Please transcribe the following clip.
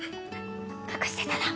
隠してたの？